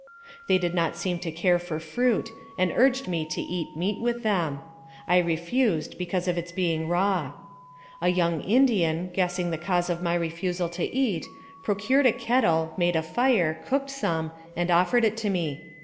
They did not seem to care for fruit, and urged me to eat meat with them. I refused, because of its being raw. A young Indian, guessing the cause of my refusal to eat, procured a kettle, made a fire, cooked some, and offered it to me.